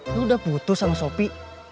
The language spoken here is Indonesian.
lu udah putus sama sopi